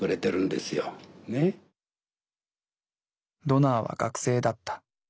ドナーは学生だった。